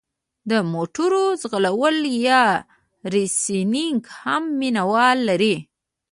د موټرو ځغلول یا ریسینګ هم مینه وال لري.